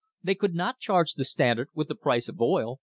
They could not charge the Stand ard with the price of oil.